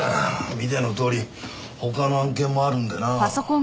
見てのとおり他の案件もあるんでな。